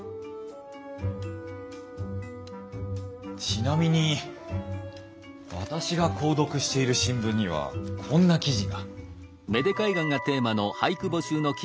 ちなみに私が購読している新聞にはこんな記事が。